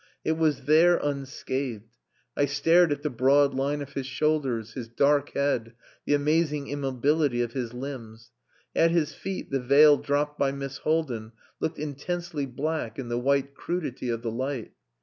It was there unscathed. I stared at the broad line of his shoulders, his dark head, the amazing immobility of his limbs. At his feet the veil dropped by Miss Haldin looked intensely black in the white crudity of the light.